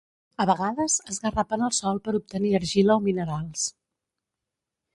A vegades, esgarrapen el sòl per obtenir argila o minerals.